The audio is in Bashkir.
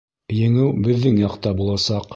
ЕҢЕҮ БЕҘҘЕҢ ЯҠТА БУЛАСАҠ!